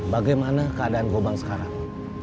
bagaimana keadaan gomang sekarang